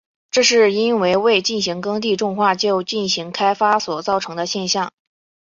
这是因为未进行耕地重划就进行开发所造成的现象。